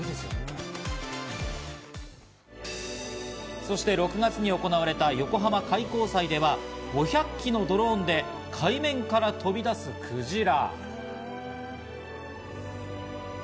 そして６月に行われた横浜開港祭では５００機のドローンで海面から飛び出す、くじら。